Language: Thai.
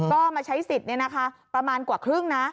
ก็มาใช้สิทธิ์เนี่ยนะคะประมาณกว่าครึ่งนะ